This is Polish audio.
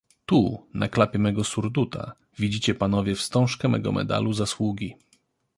"Tu, na klapie mego surduta, widzicie panowie wstążkę mego medalu zasługi."